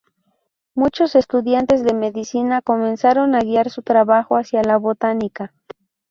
Muchos estudiantes de medicina comenzaron a guiar su trabajo hacia la botánica.